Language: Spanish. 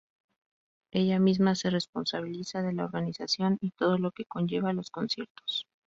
Ella misma se responsabiliza de la organización y todo lo que conlleva los conciertos.